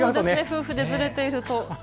夫婦でずれていると。